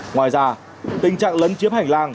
ngoài ra tình trạng lấn chiếm hành lang